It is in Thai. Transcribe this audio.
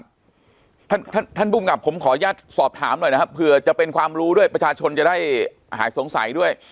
ท่านท่านภูมิกับผมขออนุญาตสอบถามหน่อยนะครับเผื่อจะเป็นความรู้ด้วยประชาชนจะได้หายสงสัยด้วย